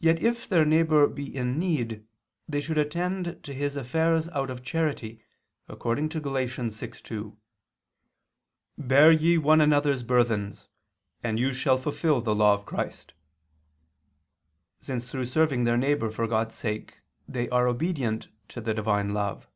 Yet if their neighbor be in need, they should attend to his affairs out of charity, according to Gal. 6:2, "Bear ye one another's burthens: and so you shall fulfil the law of Christ," since through serving their neighbor for God's sake, they are obedient to the divine love.